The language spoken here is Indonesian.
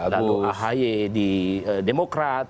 lalu ahy di demokrat